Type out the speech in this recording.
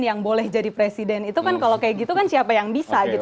yang boleh jadi presiden itu kan kalau kayak gitu kan siapa yang bisa gitu